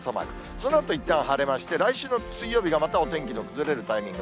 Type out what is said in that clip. そのあといったん晴れまして、来週の水曜日がまたお天気の崩れるタイミング。